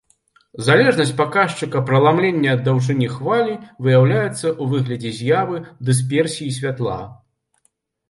Залежнасць паказчыка праламлення ад даўжыні хвалі выяўляецца ў выглядзе з'явы дысперсіі святла.